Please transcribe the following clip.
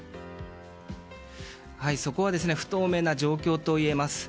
そこは不透明な状況といえます。